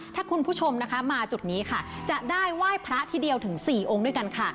ถ้าคุณผู้ชมนะคะมาจุดนี้ค่ะจะได้ไหว้พระที่เดียวถึง๔องค์ด้วยกันค่ะ